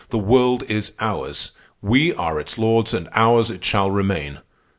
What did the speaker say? The world is ours, we are its lords, and ours it shall remain.